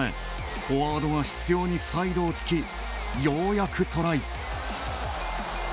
フォワードが執ようにサイドをつきようやくトライ。